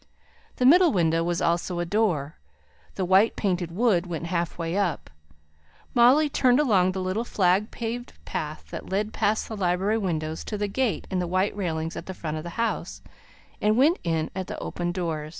The middle window was also a door; the white painted wood went halfway up. Molly turned along the little flag paved path that led past the library windows to the gate in the white railings at the front of the house, and went in at the opened door.